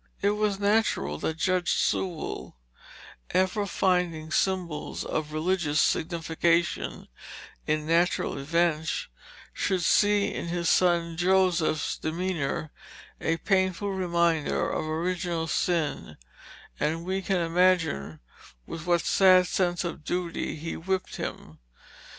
It was natural that Judge Sewall, ever finding symbols of religious signification in natural events, should see in his son Joseph's demeanor a painful reminder of original sin; and we can imagine with what sad sense of duty he whipped him.